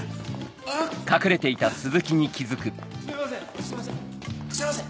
あっすいません